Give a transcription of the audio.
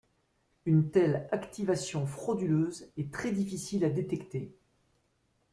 Une telle activation frauduleuse est très difficile à détecter.